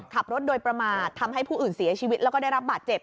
ขับรถโดยประมาททำให้ผู้อื่นเสียชีวิตแล้วก็ได้รับบาดเจ็บ